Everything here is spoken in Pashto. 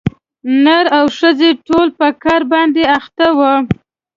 نر او ښځي ټول په کار باندي اخته وه